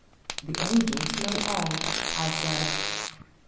"The angels know all," I said.